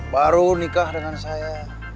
baru nikah dengan saya